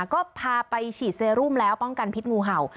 ก็พาไปฉีดเซรุมแล้วป้องกันพิษงูเห่า